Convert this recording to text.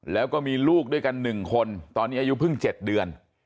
แล้วก็มีลูกด้วยกัน๑คนตอนนี้อายุเพิ่ง๗เดือน